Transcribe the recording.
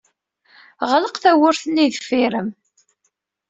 Ɣleq tawwurt-nni deffir-m.